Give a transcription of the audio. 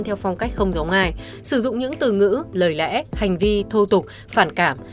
theo phong cách không giống ai sử dụng những từ ngữ lời lẽ hành vi thô tục phản cảm